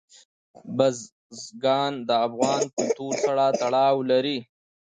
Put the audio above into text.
بزګان د افغان کلتور سره تړاو لري.